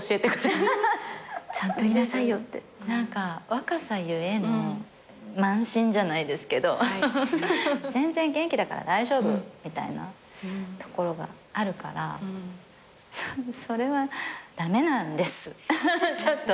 若さ故の慢心じゃないですけど全然元気だから大丈夫みたいなところがあるからそれは駄目なんです。